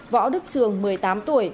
võ đức trường một mươi tám tuổi